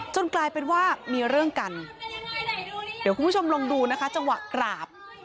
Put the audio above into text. กลายเป็นว่ามีเรื่องกันเดี๋ยวคุณผู้ชมลองดูนะคะจังหวะกราบ